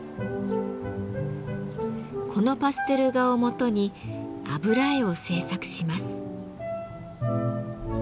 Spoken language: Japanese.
このパステル画をもとに油絵を制作します。